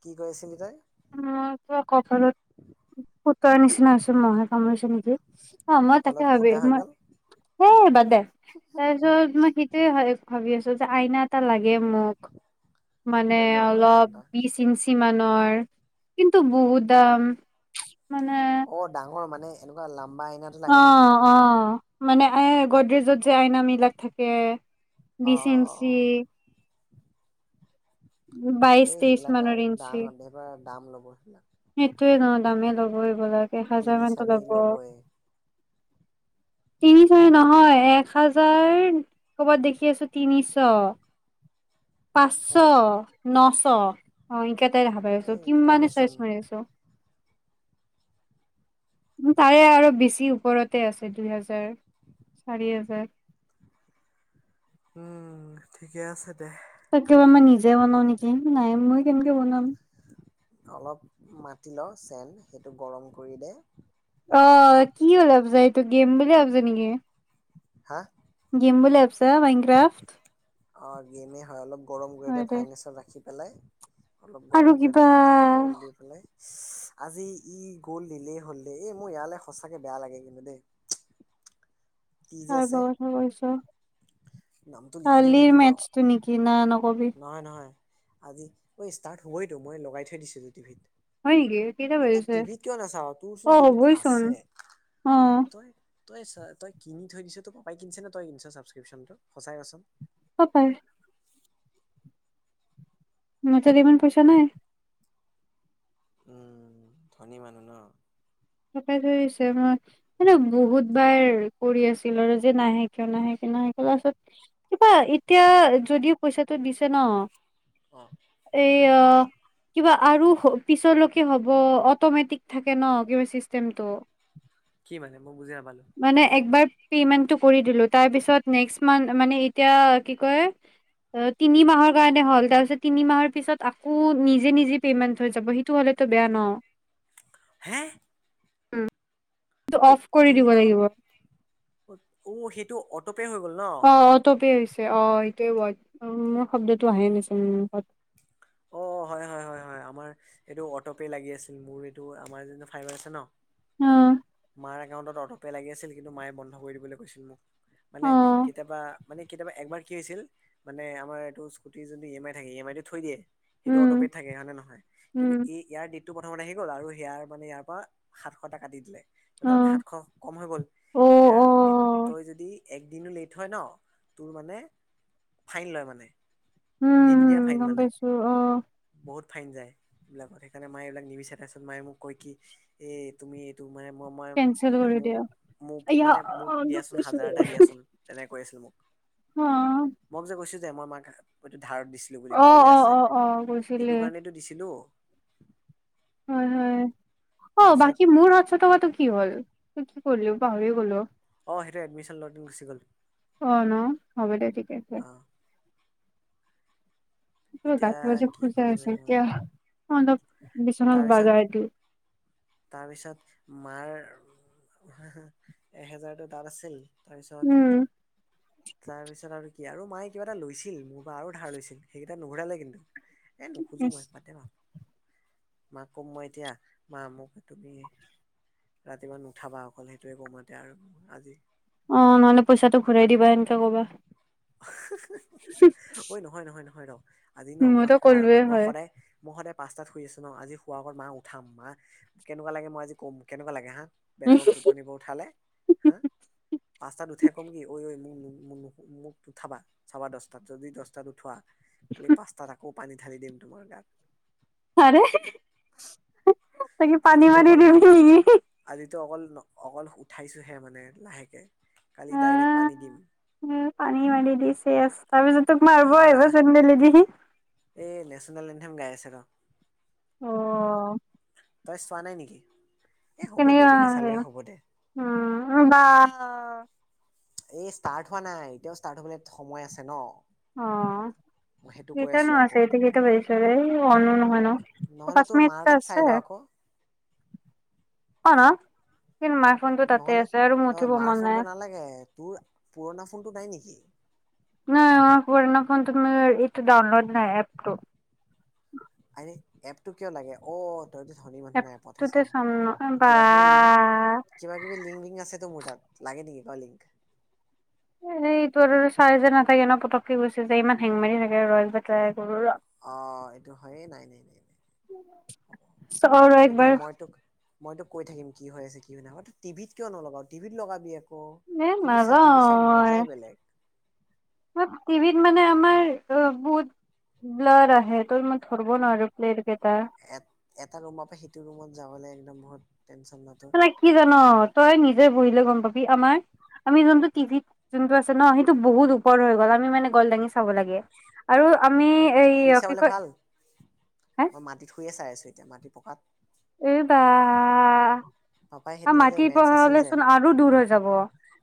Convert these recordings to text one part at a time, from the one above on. কি কৈছিলে? অ, কিবা কপালত ফুটাৰ নিচিনা হৈছে মহে কামুৰিছে নেকি? অ মই তাকে কপালত ভাবি ফুটা হৈ মই গ'ল এই বাদ দে তাৰ পিছত মই সেইটোৱে ভাবি আছো আইনা এটা লাগে মোক মানে লৈ ল আকৌ আইনা অলপ এটা বিছ ইঞ্চি মান মানৰ কিন্তু বহুত দাম অ ডাঙৰ মানে এনেকুৱা লাম্বা আইনাটো অ লাগে নেকি অ মানে আ গদৰেজত যে আইনা বিলাক থাকে অ বিশ অ অ ইঞ্চি অ বাইশ এই তেইশ সেইবিলাক মানৰ আৰু ইঞ্চি ডাঙৰ এইবাৰ দাম ল'ব সেইবিলাক সেইটোয়ে ন দামেই ল'ব এইবিলাক এক হাজাৰ তিনি মানতো চাৰি ল'ব ল'বই তিনিশয় নহয় এক হাজাৰ ক'বাত দেখি আছো তিনিশ [inaudible] পাঁচশ হে নশ অ [unintelligible] দেখা পাই আছো এই কিমানে কমেইচোন চাৰ্চ কৰি আছো তাৰে আৰু বেছি ওপৰতে আছে দুই হেজাৰ চাৰি হাজাৰ উম ঠিকে আছে দে [unintelligible] তাকেবা মই নিজে বনাও নেকি নাই মই কেনেকে বনাম অলপ মাটি ল চেন সেইটো গৰম কৰি দে অ কি [unintelligible] এইটো গেম বুলি ভাবিছ নেকি হা গেম বুলি ভাবিছা মাইনগক্ৰাফট গেমে হয় অলপ গৰম কৰি দে ফাইনেচত ৰাখি পেলাই অলপ আৰু গৰম কৰি কিবা দে গল দি পেলাই আজি ই গ'ল দিলেই হলদে এই মোৰ ইয়ালৈ সঁচাকে বেয়া লাগে কিন্তু দেই [inaudible] কি যে চব আছে কথা কৈছ নামটো লিখি দিওঁ কালিৰ নেকি ক মেটছটো নেকি না নকবি নহয় নহয় আজি ঐ ষ্টাৰ্ট হ'বইতো মই লগাই থৈ দিছিলো টি ভিত হয় নেকি কেইটা বাজিছে নাচাও তোৰচোন অ টিভিত হ'বইচোন আছে অ তই তই চা তই কিনি থৈ দিছ তোৰ পাপাই কিনিছেনে তই কিনিছ চাবক্ৰিপশ্যন টো সঁচাই কছোন পাপাই মোৰ তাত ইমান পইচা নাই উম ধনী মানুহ ন পাপাই ধৰিছে ম মানে বহুত বাৰ কৰি আছিল আৰু যে নাহে কিয় নাহে কিয় নাহে কিয় লাষ্টত কিবা এতিয়া যদিও পইচাটো দিছে ন অ এ অ কিবা আৰু পিছলৈকে হব অটমেটিক থাকে ন কিবা চিষ্টেমটো কি মানে মই বুজি নাপালো পেমেণ্ট টো কৰি দিলোঁ তাৰ পিছত নেক্স মান মানে এতিয়া কি কয় অ তিনি মাহৰ কাৰণে হ'ল তাৰপিছত তিনি মাহৰ পিছত আকৌ নিজে নিজে পেমেন্ট হৈ যাব সেইটো হ'লে টো বেয়া ন হে উম ঐ তিনি মাহৰ অ সেইটো অটোপে হৈ গ'ল ন অ অটৌপে হৈছে অ সেইটোৱে ৱৰ্ড মোৰ শব্দটো আহে নাছিল মুখত অ হয় হয় হয় হয় আমাৰ এইটো অটোপে লাগি আছিল মোৰ এইটো আমাৰ যে ফাইভাৰ আছে ন অহ মাৰ একাউণ্টত অটো'পে লাগিছিল কিন্তু মায়ে বন্ধ কৰি দিবলৈ কৈছিল মোক। অ মানে অ কেতিয়াবা মানে কেতিয়াবা একবাৰ কি হৈছিল মানে আমাৰ এইটো স্কুটিৰ যোনটো ই এম আই থাকে ই এম আইটো থৈ দিয়ে। সেইটো উম অটোপেড থাকে হয় নে নহয় কিন্তু উম ইয়াৰ ডিদ টো প্ৰথমতে আহি গ'ল আৰু হেয়াৰ মানে ইয়াৰ পৰা সাতশটা কাটি দিলে ত অ তাত সাতশ কম হৈ গ'ল অ এতিয়া অ তই যদি একদিনো লেট হয় ন তোৰ মানে ফাইন লয় মানে দিন দিয়া উম, ফাইন গম মানে পাইছো অ', বহুত ফাইন যায় এইবিলাকত সেইকাৰণে মায়ে এইবিলাক নিবিছা তাৰপিছত মায়ে মোক কয় কি এই তুমি এইটো মানে ম মইে কেনচেল মানে কৰি মোক দিয়া [unintelligible] মোক আয়া মানে মোক অ দুখ দিয়াচোন পাইছো হাজাৰ এটা দিয়াচোন তেনেক কৈ আছিল মোক হা মোক যে কৈছো যে মই মাক এইটো ধাৰত দিছিলো বুলি অ পাবলৈ অ আছে অ অ কৈছিলে এইটো কাৰণটো দিছিলো [inaudible] হয়, হয় অ', তাৰপিছত বাকী মোৰ সাতচ টকাটো কি হ'ল? ত কি কৰিলো পাহৰি গলো অ', সেইটোৱ এডমিশ্যন ল'ওতে গুচি গ'ল অ ন হ'ব দে ঠিকে আছে অ', এতিয়া [unintelligible] কি খোজা কৰোগে আছে মই এতিয়া অলপ বিচনাত বাগাই তাৰপিছত, দিও তাৰপিছত মাৰ এহেজাৰতো তাত আছিল তাৰপিছত উম তাৰপিছত আৰু কি আৰু মায়ে কিবা এটা লৈছিল মোৰ বা আৰু ধাৰ লৈছিল সেইকেইটা নুঘুৰালেে কিন্তু এ, নোখোজো ইচ মই পাতে ভাল মাক ক'ম মই এতিয়া মা মোক তুমিয়ে ৰাতিপুৱা নুঠাবা অকল সেইটোৱে কমাতে আৰু আজি অ', নহলে পইচাটো ঘূৰাই দিবা এেনেকাে কব হয়। ঐ নহয় নহয় নহয় ৰ আজি ন মই মইতো শোৱাৰ ক'লোৱে আগত মই হয়। সদায় মই সদায় পাঁচাত শুই আছো ন আজি শোৱাৰ আগত মা উঠাম মা কেকুৱা লাগে মই আজি ক'ম কেনেকুৱা লাগে হা বেলেগক টোপনিব উঠালে হা পাচাত উঠে ক'ম কি ঐ, ঐ মোৰ মোক উঠাবা চাবা দছটাত যদি দছটাত উঠোৱা খালি পাঁচটাত আকৌ পানী ঢালি দিম তোমাৰ গাত আৰে তাকি পানী মানী দি টো অকল অকল উঠাইছোহে মানে লাহেকে কালি ডাইৰেক্ট পানী দিম উ পানী মাৰি দি চ তাৰ পিছত তোক মাৰিব আহিব আহ চেণ্ডেল দি এই নেশ্যনেল এনথেম গাই আছে ৰ অ তই চোৱা নাই নেকি হ'ব কেনেকে দেৰিকে বনাইছে? চালে হ'ব দে অ', এই ষ্টাৰ্ট হোৱা নাই এতিয়াও ষ্টাৰ্ট হবলৈ সময় আছে ন অ', মই সেইটো কৈ আছো ইটানো আকৌ আছে ইতিটো বেছ অ নহ নো নহ'লে পাচ তোৰ মিনিট মাৰ তাত আছে [inaudible] অনা নহলে ন মাৰ নাই। ফোনটো নালাগে তোৰ পুৰণা ফোনটো নাই নেকি নাই আমাৰ পুৰণা ফোনটো মানে ইটো ডাউনলোড নাই এপটো আৰে এপটো কিয় লাগে অ', তইতো ধনী মানুহ নাইপথহে এপটোতে চা চাম ন বা কিবা কিবি লিংক কিবা কিবি লিংক বিং আছেতো মোৰ তাত লাগে নেকি কলিংক এ, এইটো চাই যে নাথাকে ন পটককে গুচি যায় ইমান হেং মাৰি থাকে [unintelligible] অ', এইটো হয়ে নাই, নাই, নাই ন চাও ৰ একবাৰ মইতো কৈ থাকম কি হৈ আছে কি হয় নাই তো টিভিত কিয় নলা টিভিত লগাবি আকৌ ন টিভিত চা টিভিত চোৱা নাজাও মজাই বেলেগ ম অ', টিভিত মানে আমাৰ অ বহুত ব্লাৰ আহে [unintelligible] ধৰিব নোৱাৰি, প্লে এ-এটা ৰুমৰ পৰা সেইটো ৰুমত যাবলৈ একদম বহুত টেনচন ন তোৰ [unintelligible] কি জান? তই নিজে বহিলে গম পাবি আমাৰ আমি যোনটো টি ভিত যোনটো আছে ন! সেইটো বহুত ওপৰ হৈ গ'ল, আমি মানে গল দাঙি চাব লাগে আৰু আমি এই শুই কি চাবলৈ কয় ভাল, হে মই মাটিত শুইয়ে চাই আছোঁ, এতিয়া মাটি পকাত [unintelligible] বা পাপাই সেইদিনা যে মাটিৰ মেটছ পৰা আছিল যে হ'লেচোন আৰু দূৰ হৈ যাব।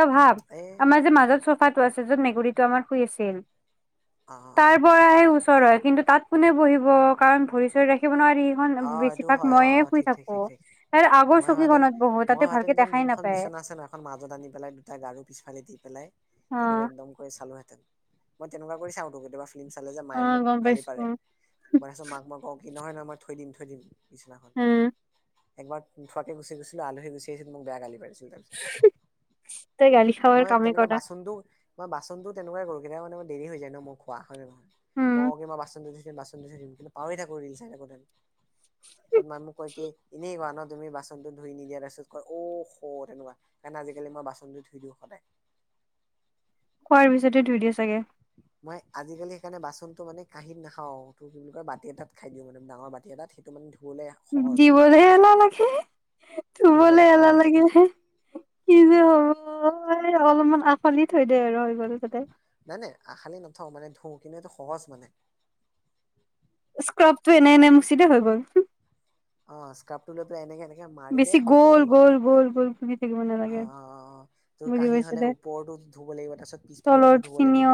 তই ভাব এ আমাৰ যে, মাজত চোফাটো আছে যে, মেকুৰী আমাৰ শুই আছিল, অ অ তাৰ পৰাহে ওচৰ হয়, কিন্তু তাত কোনে বহিব? কাৰণ ভৰি চৰি ৰাখিব নোৱাৰি, অ [unintelligible] অ এইটো বেছিভাগ হয় অ মইয়ে শুই ঠিক ঠিক থাকো ঠিক ঠিক আৰু মই হোৱাহেঁতেন, মই হোৱাহেঁতেন যেন-যোনখন নাপায় বিচনা আছে নহয়, এখন মাজত আনি পেলাই দুটা গাৰু পিছফালে দি পেলাই অ তেনেকে একদম কৰি চালোহেঁতেন, মই তেনেকুৱা কৰি চাওঁতো কেতিয়াবা। ফিলিম চালে যে, অ মায়ে মোক গম গালি পাৰে, পাইছো মই [unintelligible] মাক মই কওঁ কি নহয়, নহয় মই থৈ দিম, থৈ দিম। বিচনাখন উম একবাৰ নোথোৱাকে গুচি গৈছিলোঁ, আলহী গুচি আহিছিল মোক বেয়া গালি পাৰি তই গালি খাৱাৰ মই কামেই তেনেকে কৰা বাচনটো মই বাচনটো তেনেকুৱাই কৰোঁ, কেতিয়াবা মানে মোৰ দেৰি হৈ যায় ন মই খোৱা হয় নহয়। উম মই কি মই বাচন ধুই থয় দিম ধুই থয় দিম। কিন্তু পাহৰি থাকো ৰিল চাই থাকোতে। চ'ব মানুহ কয় কি ইনে কোৱা ন। তুমি বাচনটো ধুই নিদিয়াৰ তাৰপাৰছত কয় অ' স তেনেকুৱা কাৰণে আজিকালি মই বাচনটো ধুই দিওঁ সদায়। [inaudible] খোৱাৰ পিছতে ধুই দিয় চাগে। [unintelligible] মই আজিকালি, সেইকাৰণে বাচনটো মানে কাহীত নাখাওঁ, টো কি বুলি কয় বাতি এটাত খাই দিওঁ। মানে ডাঙৰ বাতি এটাত সেইটো মানে ধুই দিবলৈ এলাহ লাগে, ধুবলে ধুবলৈ এলাহ সহজ লাগিলেহে। কি যে হ'ব, এই অলপমান আশালি থৈ দে আৰু হৈ গ'ল তাতে আশালি নথওঁ মানে, ধোও কিন্তু এইটো সহজ মানে। কাপটো এনে এনে মুচিতে হৈ গ'ল। অ' স্কাইপ টো লৈ পেলায় এনেকে এনেক মাৰি দে বেছি হৈ গ'ল অলপ, গ'ল গ'ল ঘুৰি থাকিব নালাগে অ' তোৰ বুজি কাহি পাইছো হ'লে দে ওপৰতো ধুব লাগিব। তাৰ পিছত পিছফালটো ধুব লাগিব।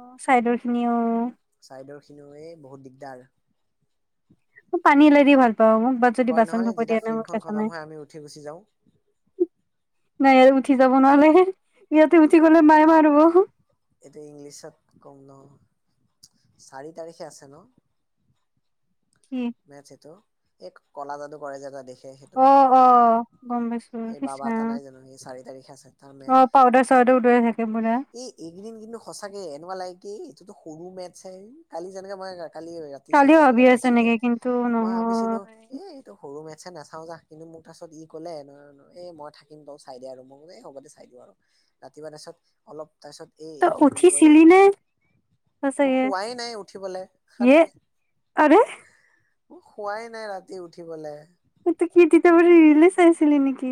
অ' চাইদৰ খিনি অ' চাইডৰ খিনিও এই বহুত দিগদাৰ আৰু মোৰ পানীলে যিমান পাওঁ, মোক বাট যদি বাচন নহয় ধুব দিয়া, যেতিয়া তেনে মোৰ ফিল্মখন কেচ খতম নাই। হয় আমি উঠি গুচি যাওঁ মায়ে উঠি যাব নহ'লে হে। এইটো ইংলিছত কম নহয়। চাৰি তাৰিখে আছে ন। কি [unintelligible] এই ক'লা যাদু কৰে যে, দেখ অ', অ'। অ', গম পাইছোঁ, এই ইচ বাবা এটা ৰাম। নাই জানো সি চাৰি তাৰিখে আছে তাৰ মে অ', পাউদাৰ, চাউদাৰ [unintelligible] এই এইকেইদিন কিন্তু সঁচাকে এনেকুৱা লাগে কি এইটোতো সৰু মেটচহে, কালি যেনেকে মই কালি ৰাতি কালিও চাৰিটা ভাবি বজাত আছো মেটচটো যে এনেকে কিন্তু মই ভাবিছিলোঁ, নহয় এ, এইটো সৰু মেথচ আছে নাচাওঁ যাহ, কিন্তু মোক তাৰপিছত ই ক'লে এই মই থাকিম তই চাই দে আৰু মই এই হ'বদে চাই দিওঁ আৰু। ৰাতিপুৱা তাৰিছত, অলপ তাৰিছত এই তই এইটো [unintelligible] উঠিছিলি নে মই সঁচাকে শুৱাই নাই উঠিবলে ইয়ে আৰে মই শুৱাই নাই ৰাতি উঠিবলে। [unintelligible] ৰিলে চাই আছিলি নিকি?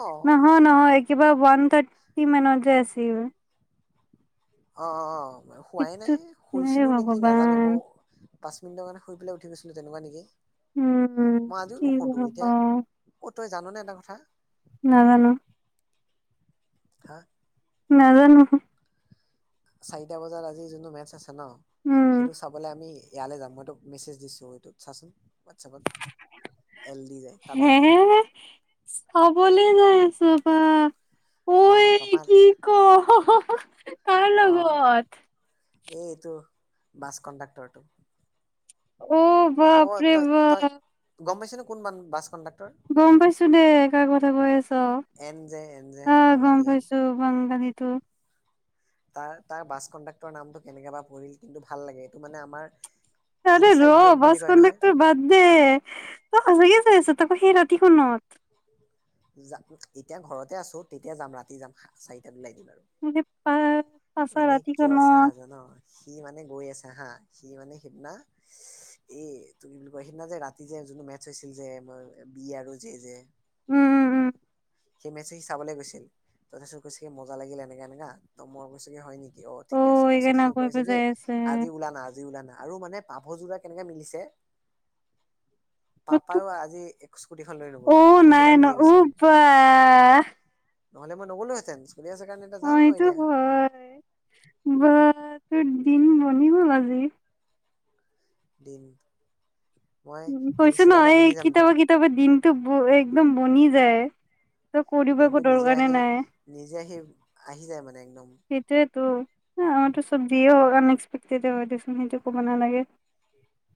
অ নহয়, নহয় কিবা ওৱান থাৰ্টি মানত যে, আছিল অ অ হোৱাই কিটো নাই এ শুইছিলোঁ নেকি নাজানো ভগৱান ম পাঁচ মিনিটৰ কাৰণে শুই পেলাই উঠি গৈছিলো তেনেকা নেকি। উম মই আজিও কি যে নুশুতো হ'ব। এতিয়া অ তই জাননে এটা কথা নাজানো। হা? নাজানো। চাৰিটা বজাত আজি যোনটো মেচ আছে ন উম সেইটো চাবলে আমি ইয়ালৈ যাম মইটো মেছেজ দিছো এইটোত চাচোন। হোৱাটছাপত এল ডি যে তাত যাম। বলে যাই আছ বা ঐ অ পাপা কি ক কাৰ অ লগত? এইটো বাছ কণ্ডাক্টৰটো। অ অ বাপৰে তই তই বাপ। গম পাইছ নে কোন মান বাছ কণ্ডা গম পাইছো দেই কাৰ কথা কৈ আছ। এন জে এন জে আহ বাংগালী গম এন পাইছো কোম্পানীটো। তাৰ তাৰ বাছ কণ্ডাক্টৰ নামটো কেনেকে বা পৰিল, কিন্তু ভাল লাগে এইটো মানে আমাৰ আৰে ইনচাইড ৰ জব বাছ বুলি কয় নহয় কণ্ডাক্টৰ বাদ দে, তই সঁচাকে চাইছ তাকো সেই ৰাতিখনত এতিয়া ঘৰতে আছো তেতিয়া যাম ৰাতি যাম চাৰিটাত ওলাই দিবা [unintelligible] মানে কিয় চাহ জান সি মানে গৈ আছে হা সি মানে সিদিনা এই তোক কি বুলি কয় সিদিনা যে ৰাতি যে যোনটো মেচ হৈছিল যে মই বি আৰু যে যে উম উম উম সেই মেচ সি চাবলৈ গৈছিল তাৰপিছত কৈছে মজা লাগিল এনেকা এনেকা ত মই কৈছাগে হয় নেকি অ ঠিকে আছে তাৰপিছত সি কৈছে কি আজি ওলানা আজি ওলা না আৰু মানে পাভযোৰা কেনেকৈ মিলিছে পাপাইও আজি এক স্কুটিখন লৈ নগল পাভযোৰা মিলি গৈছে মানে অ নহ'লে মই নগ'লোহেতেন চলি আছে কাৰণে এটা যাম আৰু এইটো এতিয়া হয়। বা তোৰ দিন বনি হ'ল আজি দিন মই উ হেৰি কৈছো ন চোলা এটা এই পিন্ধি যামতো কিতাবা কিতাবা দিনটো একদম বনি যায় ক দিব একো দিনটো নিজে দৰকাৰে আহি নাই নিজে আহি আহি যায় মানে একদম সেইটোয়ে তু আমাৰতো চবজিয়ে হ আন এক্সপেক্টেড হয় দেচোন সেইটো ক'ব নালাগে